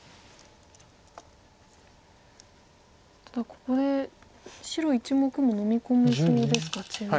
ただここで白１目ものみ込めそうですか中央。